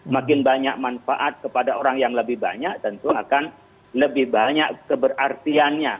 makin banyak manfaat kepada orang yang lebih banyak tentu akan lebih banyak keberartiannya